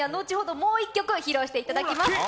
もう１曲披露していただきます。